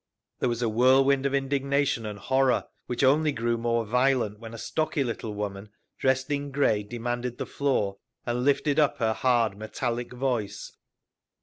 There was a whirlwind of indignation and horror, which only grew more violent when a stocky little woman dressed in grey demanded the floor, and lifted up her hard, metallic voice.